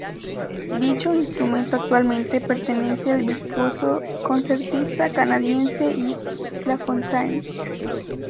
Dicho instrumento actualmente pertenece al virtuoso concertista canadiense Yves Lafontaine.